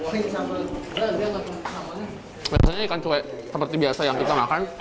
biasanya ikan cue seperti biasa yang kita makan